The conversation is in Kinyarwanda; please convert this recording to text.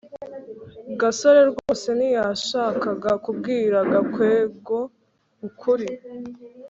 gasore rwose ntiyashakaga kubwira gakwego ukuri